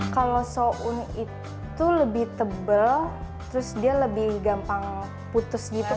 kalau soun ⁇ itu lebih tebal terus dia lebih gampang putus gitu